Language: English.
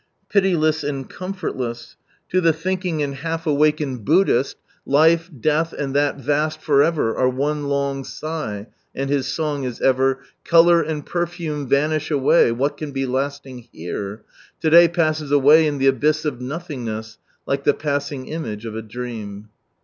Pitiless and com 178 From Sunrise Land fortless. To the thinking and half awakened Buddhist, "life, death, and that vast for ever " are one long sigh, and his song is ever —" Colour and ferfumt vaaiik a jiay. What can bi lasting here! To day fanes away in Iki abyss of Nolkingtiess, Like rke fassing image of a dream.